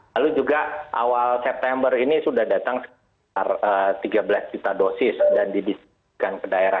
lalu juga awal september ini sudah datang sekitar tiga belas juta dosis dan didistribusikan ke daerah